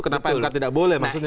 kenapa mk tidak boleh